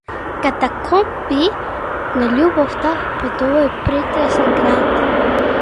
Катакомби на љубовта под овој претесен град.